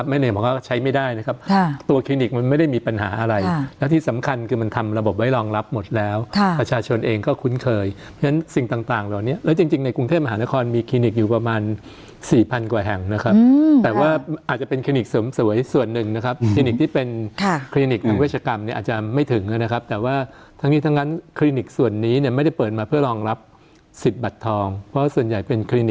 เพราะฉะนั้นสิ่งต่างเหล่านี้แล้วจริงในกรุงเทพมหานครมีคลินิกอยู่ประมาณ๔๐๐๐กว่าแห่งนะครับแต่ว่าอาจจะเป็นคลินิกสมสวยส่วนนึงนะครับคลินิกที่เป็นคลินิกนางเวชกรรมเนี่ยอาจจะไม่ถึงนะครับแต่ว่าทั้งนี้ทั้งงั้นคลินิกส่วนนี้เนี่ยไม่ได้เปิดมาเพื่อรองรับสิทธิ์บัตรทองเพราะส่วนใหญ่เป็น